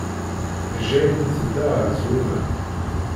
Jane tedda ɣer Zwina.